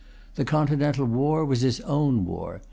The Continental war was his own war.